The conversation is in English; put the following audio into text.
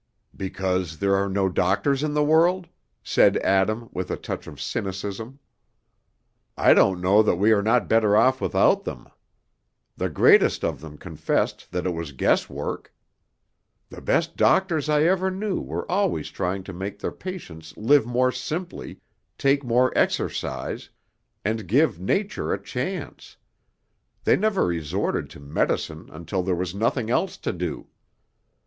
"Because there are no doctors in the world?" said Adam, with a touch of cynicism. "I don't know that we are not better off without them. The greatest of them confessed that it was guess work. The best doctors I ever knew were always trying to make their patients live more simply, take more exercise, and give nature a chance; they never resorted to medicine until there was nothing else to do.